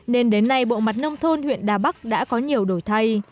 nên đến nay bộ mặt nông thôn huyện đà bắc đã có nhiều đổi thay